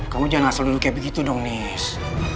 kamu jangan asal dulu kayak begitu dong nis